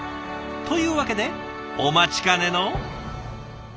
というわけでお待ちかねの。